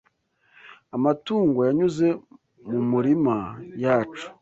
Amatungo yanyuze mu murima yacu